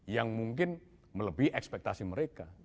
yang mungkin melebihi ekspektasi mereka